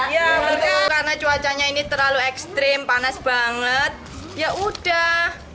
iya ibu ibu karena cuacanya ini terlalu ekstrim panas banget yaudah